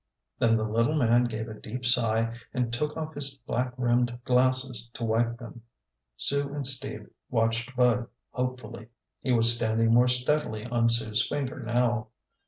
Then the little man gave a deep sigh and took off his black rimmed glasses to wipe them. Sue and Steve watched Bud hopefully. He was standing more steadily on Sue's finger now.